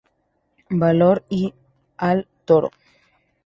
Valor y... ¡al toro!